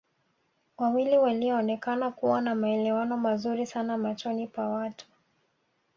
Wawili walioonekana kuwa na maelewano mazuri sana machoni pa watu